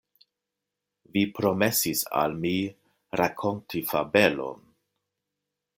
Vi promesis al mi rakonti fabelon.